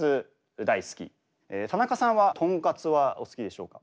田中さんはとんかつはお好きでしょうか？